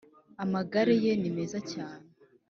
amagare ye nimeza cyane